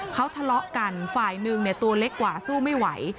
เขาทะเลาะกันฝ่ายหนึ่งตัวเล็กกว่าสู้ไม่ไหว